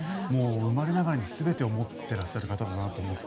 生まれながらに全てを持ってらっしゃる方だなと思って。